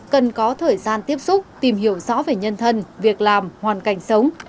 cần có thời gian tiếp xúc tìm hiểu rõ về nhân thân việc làm hoàn cảnh sống